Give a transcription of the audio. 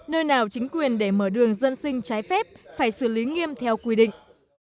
nơi nào chính quyền để mở đường dân sinh trái phép phải xử lý nghiêm theo quy định